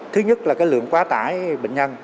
thứ nhất là cái lượng quá tải bệnh nhân